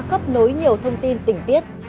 khắp nối nhiều thông tin tỉnh tiết